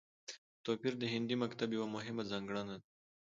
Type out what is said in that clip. په توپير د هندي مکتب يوه مهمه ځانګړنه ده